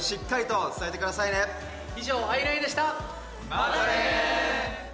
またね！